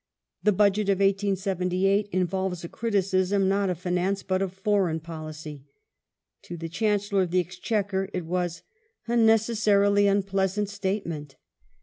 The Budget of 1878 involves a criticism, not of finance but of foreign policy. To the Chancellor of the Exchequer it was " a necessarily unpleasant state ment".